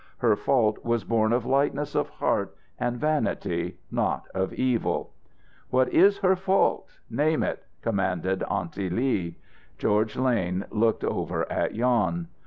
Her fault was born of lightness of heart and vanity, not of evil." "What is her fault? Name it," commanded Aunty Lee. George Lane looked over at Jan.